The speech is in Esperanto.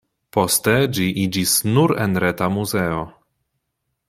Poste, ĝi iĝis nur-enreta muzeo.